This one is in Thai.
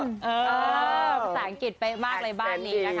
ภาษาอังกฤษเป๊ะมากเลยบ้านนี้นะคะ